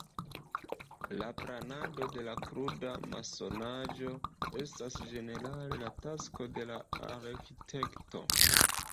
La planado de la kruda masonaĵo estas ĝenerale la tasko de arĥitekto.